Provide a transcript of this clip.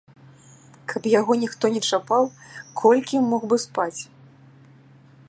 Каб яго ніхто не чапаў, колькі мог бы спаць?